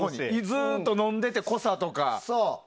ずっと飲んでて、濃さとか。